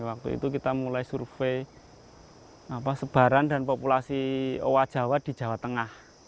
waktu itu kita mulai survei sebaran dan populasi owa jawa di jawa tengah